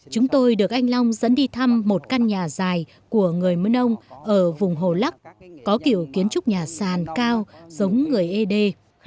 chúng tôi được anh long dẫn đi thăm một căn nhà dài của người mân âu ở vùng hồ lắc có kiểu kiến trúc nhà sàn cao giống người ế đê